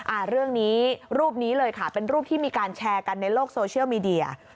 อ่าเรื่องนี้รูปนี้เลยค่ะเป็นรูปที่มีการแชร์กันในโลกโซเชียลมีเดีย